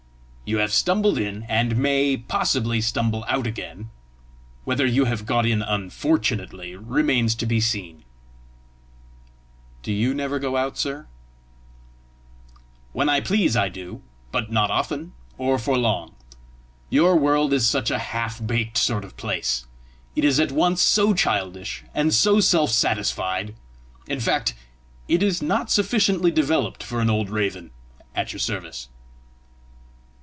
"You have stumbled in, and may, possibly, stumble out again. Whether you have got in UNFORTUNATELY remains to be seen." "Do you never go out, sir?" "When I please I do, but not often, or for long. Your world is such a half baked sort of place, it is at once so childish and so self satisfied in fact, it is not sufficiently developed for an old raven at your service!"